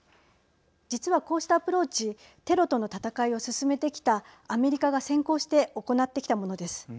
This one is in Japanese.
実は、こうしたアプローチテロとの戦いを進めてきたアメリカが先行して行ってきたものです。